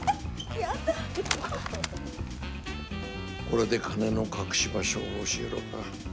これで金の隠し場所を教えろか。